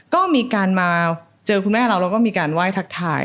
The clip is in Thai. ก็มีการมาเจอคุณแม่เราแล้วก็มีการไหว้ทักทาย